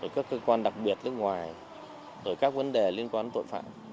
các cơ quan đặc biệt nước ngoài các vấn đề liên quan tội phạm về trật tự xã hội